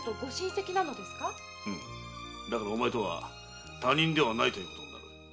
うむだからお前とは他人ではないということになる。